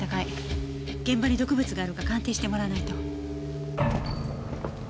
現場に毒物があるか鑑定してもらわないと。